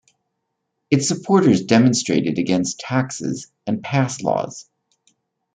Its supporters demonstrated against taxes and pass laws.